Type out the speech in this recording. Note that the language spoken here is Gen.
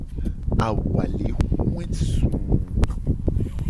Awu a le hoe suu.